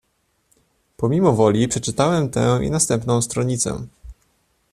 "Pomimo woli przeczytałem tę i następną stronicę."